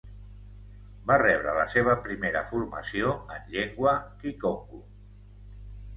Va rebre la seva primera formació en llengua kikongo.